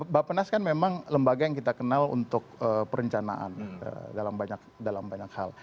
bapak nas kan memang lembaga yang kita kenal untuk perencanaan dalam banyak hal